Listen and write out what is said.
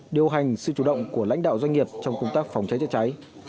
điều hành sự chủ động của lãnh đạo doanh nghiệp trong công tác phòng cháy chữa cháy